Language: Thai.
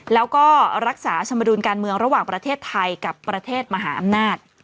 แล้วก็รักษาชมดุลการเมืองระหว่างประเทศไทยกับประเทศมหาอำนาจ